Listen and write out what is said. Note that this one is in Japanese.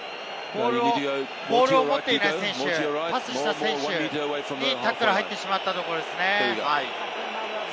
ボールを持っていない選手、パスした選手にタックルに入ってしまいましたね。